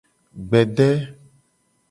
Gbede.